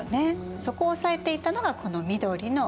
そこを押さえていたのがこの緑の魏。